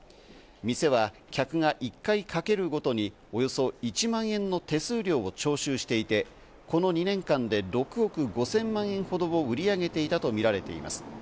店は客が１回賭けるごとにおよそ１万円の手数料を徴収していて、この２年間で６億５０００万円ほどを売り上げていたとみられています。